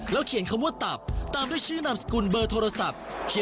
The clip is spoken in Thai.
แล้วเขียนคำว่าตัป